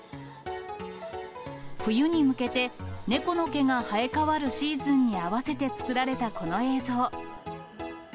冬に向けて、猫の毛が生え変わるシーズンに合わせて作られたこの映像。